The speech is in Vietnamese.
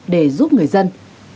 để giúp người dân